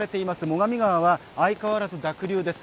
最上川は相変わらず濁流です。